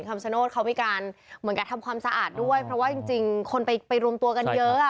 คำชโนธเขามีการเหมือนกับทำความสะอาดด้วยเพราะว่าจริงคนไปรวมตัวกันเยอะอ่ะ